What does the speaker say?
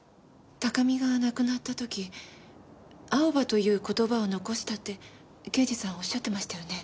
高見が亡くなった時アオバという言葉を残したって刑事さんおっしゃってましたよね？